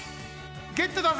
ゲットだぜ！